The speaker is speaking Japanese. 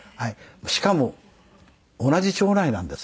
しかも同じ町内なんです。